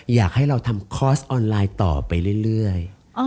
อยากให้เราทำคอร์สออนไลน์ต่อไปเรื่อย